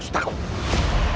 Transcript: aku akan mencari kekuatanmu